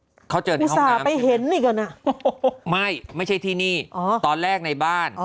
อุตส่าห์ไปเห็นอีกกันอะไม่ไม่ใช่ที่นี่ตอนแรกในบ้าน